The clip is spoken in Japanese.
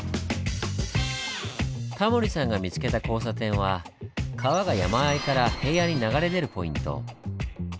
タモリさんが見つけた交差点は川が山あいから平野に流れ出るポイント。